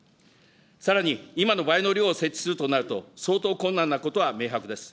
さらに、今の倍の量を設置するとなると、相当困難なことは明白です。